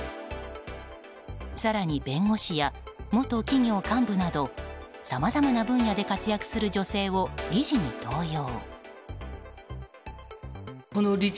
更に弁護士や元企業幹部などさまざまな分野で活躍する女性を理事に登用。